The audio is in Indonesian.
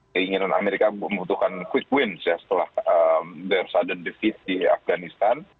keinginan amerika membutuhkan quick wins setelah their sudden defeat di afghanistan